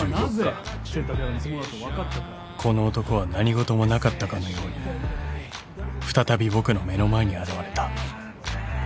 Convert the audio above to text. ［この男は何事もなかったかのように再び僕の目の前に現れた］